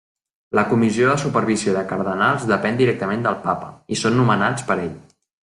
La Comissió de Supervisió de Cardenals depèn directament del Papa i són nomenats per ell.